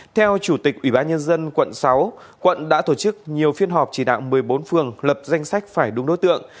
theo chủ tịch ủy ban nhân dân quận sáu quận đã tổ chức nhiều phiên họp chỉ đạo một mươi bốn phường lập danh sách phải đúng đối tượng